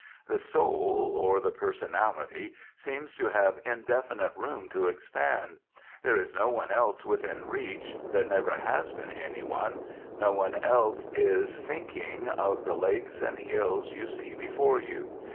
The soul or the personality seems to have indefinite room to expand. There is no one else within reach, there never has been anyone; no one else is thinking of the lakes and hills you see before you.